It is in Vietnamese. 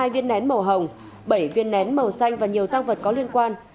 bảy trăm linh hai viên nén màu hồng bảy viên nén màu xanh và nhiều tăng vật có liên quan